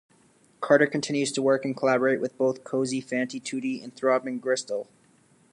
Carter continues to work and collaborate with both Cosey Fanni Tutti and Throbbing Gristle.